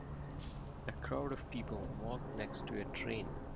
A crowd of people walk next to a train.